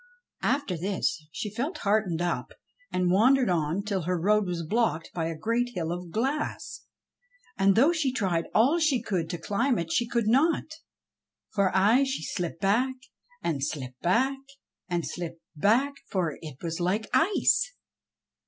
After this she felt heartened up, and wandered on till her road was blocked by a great hill of glass ; and though she tried all she could to climb it, she could not ; for aye she slipped back, and slipped back, and slipped back ; for it was like ice.